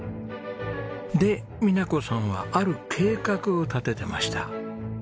で美奈子さんはある計画を立ててました。